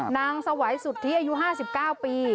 นางสวัสดิ์สุดที่อายุ๕๙ปี